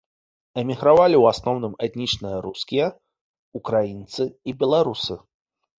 Эмігравалі ў асноўным этнічныя рускія, украінцы і беларусы.